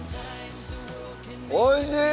おいしい！